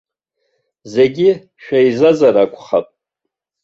Зегьы шәеизазар акәхап?